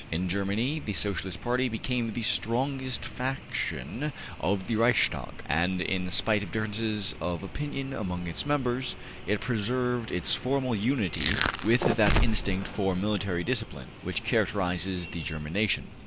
In Germany the Socialist party became the strongest faction of the Reichstag, and, in spite of differences of opinion among its members, it preserved its formal unity with that instinct for military discipline which characterizes the German nation.